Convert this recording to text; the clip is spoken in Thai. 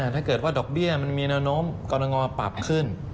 ถ้าเกิดว่าดอกเบี้ยมันมีแนวโน้มรณงอปรับขึ้น